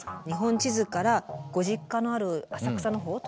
日本地図からご実家のある浅草の方？